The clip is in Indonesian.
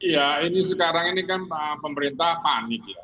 ya ini sekarang ini kan pemerintah panik ya